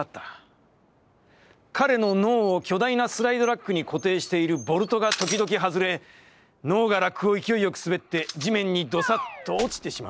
彼の脳を巨大なスライド・ラックに固定しているボルトがときどきはずれ、脳がラックを勢いよく滑って、地面にどさっと落ちてしまうのだ。